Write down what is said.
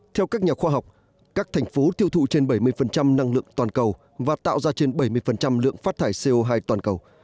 theo các nhà khoa học các thành phố tiêu thụ trên bảy mươi năng lượng toàn cầu và tạo ra trên bảy mươi lượng phát thải co hai toàn cầu